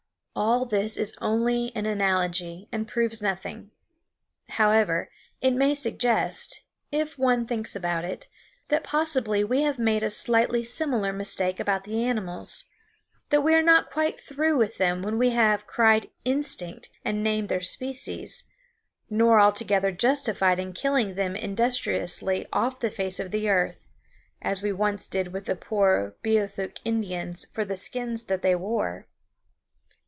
All this is only an analogy and proves nothing. However, it may suggest, if one thinks about it, that possibly we have made a slightly similar mistake about the animals; that we are not quite through with them when we have cried instinct and named their species, nor altogether justified in killing them industriously off the face of the earth as we once did with the poor Beothuk Indians for the skins that they wore.